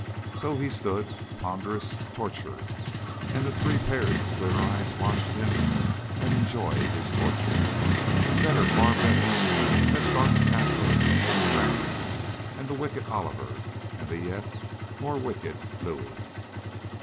So he stood, ponderous, tortured, and the three pairs of clear eyes watched him and enjoyed his torture. Better, far better, that dark castle in ancient France, and the wicked Oliver and the yet more wicked Louis.